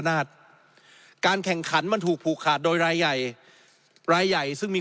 นาฏการแข่งขันมันถูกผูกขาดโดยรายใหญ่รายใหญ่ซึ่งมี